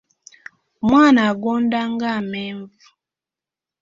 Omwana agonda nga Amenvu.